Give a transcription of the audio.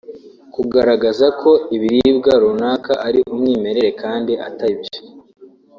kugaragaza ko ibiribwa runaka ari umwimerere kandi atari byo